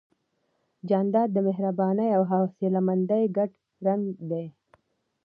جانداد د مهربانۍ او حوصلهمندۍ ګډ رنګ دی.